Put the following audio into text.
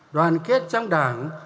đoàn kết trong đảng